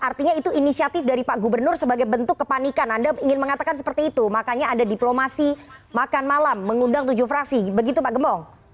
artinya itu inisiatif dari pak gubernur sebagai bentuk kepanikan anda ingin mengatakan seperti itu makanya ada diplomasi makan malam mengundang tujuh fraksi begitu pak gembong